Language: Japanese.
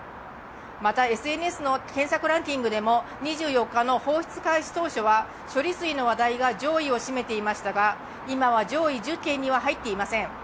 また、ＳＮＳの検索ランキングでも２４日の放出開始当初は処理水の話題が上位を占めていましたが今は上位１０件には入っていません